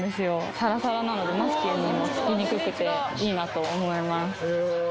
サラサラなのでマスクにも付きにくくていいなと思います